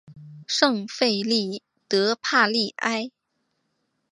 圣费利德帕利埃。